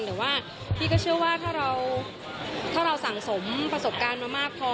หรือว่าพี่ก็เชื่อว่าถ้าเราสั่งสมประสบการณ์มามากพอ